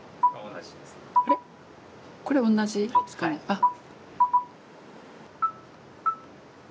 あっ。